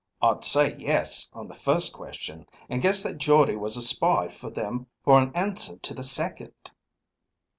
"I'd say yes on the first question, and guess that Jordde was a spy for them for an answer to the second."